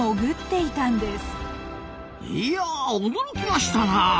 いや驚きましたなあ！